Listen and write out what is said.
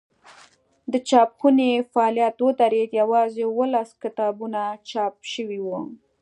د چاپخونې فعالیت ودرېد یوازې اوولس کتابونه چاپ شوي وو.